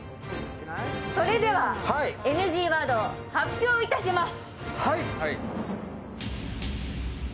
それではＮＧワード、発表いたします。